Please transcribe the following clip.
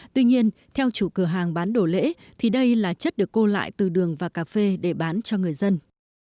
tuy nhiên theo chủ cửa hàng bán đồ lễ thì đây là chất được cô lại từ đường và cà phê để bán cho người dân